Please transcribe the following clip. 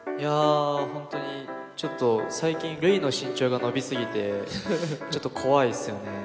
本当に、ちょっと最近、ＲＵＩの身長が伸び過ぎて、ちょっと怖いですよね。